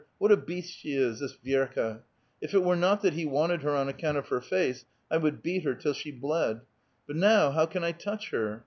What a beast she is! this Vierka ! If it were not that he wanted her on account of her face, I would beat her till she bled ! But now how can I touch her?